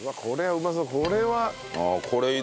うまそう。